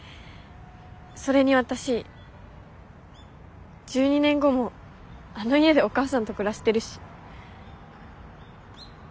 それに私１２年後もあの家でお母さんと暮らしてるし。